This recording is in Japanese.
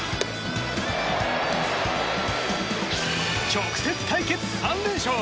直接対決３連勝！